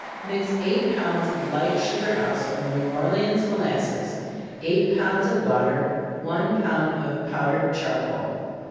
_ Mix eight pounds of light sugar house or New Orleans molasses, eight pounds of water, one pound of powdered charcoal.